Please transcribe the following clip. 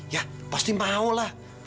ya pasti mau lah